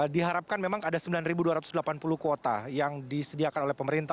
diharapkan memang ada sembilan dua ratus delapan puluh kuota yang disediakan oleh pemerintah